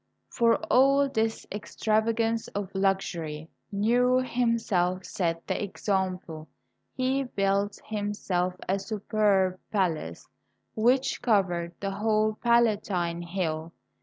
For all this extravagance of luxury Nero himself set the example. He built himself a superb palace which covered the whole Palatine Hill.